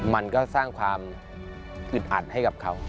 มันก็สร้างความอึดอัดให้กับเขา